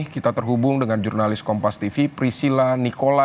kita terhubung dengan jurnalis kompas tv prisila nikola